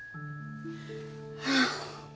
ああ。